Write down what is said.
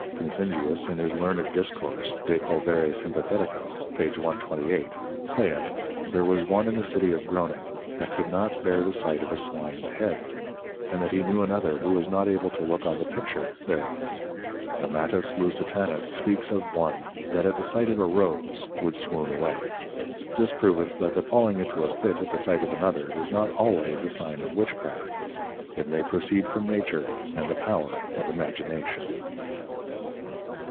Pensingius in his Learned Discourse De Pulvere Sympathetico, p. 128. saith, there was one in the City of Groning that could not bear the sight of a Swine's Head: And that he knew another who was not able to look on the Picture thereof. Amatus Lusitanus speaks of one that at the sight of a Rose would swoon away: This proveth that the falling into a Fit at the sight of another is not always a sign of Witchcraft. It may proceed from Nature, and the Power of Imagination.